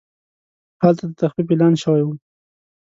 هلته د تخفیف اعلان شوی و.